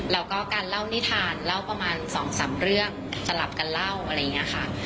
แล้วก็การเล่านิทานเล่าประมาณ๒๓เรื่องสลับกันเล่าอะไรอย่างนี้ค่ะ